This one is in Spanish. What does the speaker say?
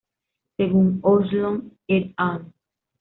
Según Ohlson "et al".